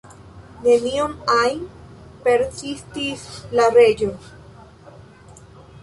"Nenion ajn?" persistis la Reĝo.